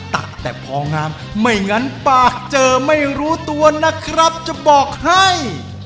ตะแต่พองามไม่งั้นปากเจอไม่รู้ตัวนะครับจะบอกให้